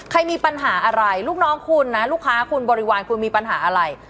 ใครมีปัญหาอะไรลูกน้องคุณนะลูกค้าคุณบริวารคุณมีปัญหาอะไร